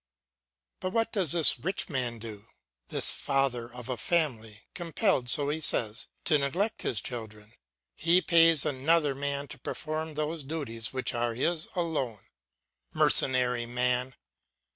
But what does this rich man do, this father of a family, compelled, so he says, to neglect his children? He pays another man to perform those duties which are his alone. Mercenary man!